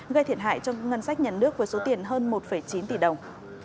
gây thiệt hại cho ngân sách nhà nước với số tiền hơn một chín tỷ đồng